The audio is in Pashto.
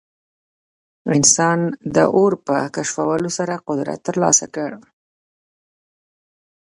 انسان د اور په کشفولو سره قدرت ترلاسه کړ.